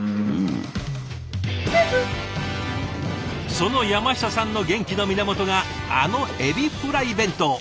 その山下さんの元気の源があのエビフライ弁当。